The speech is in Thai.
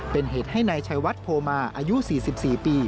เป็นเหตุให้นายชัยวัดโพมาอายุ๔๔ปี